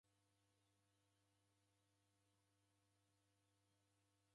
Nague kipande cha ndoe.